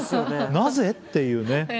「なぜ？」っていうね。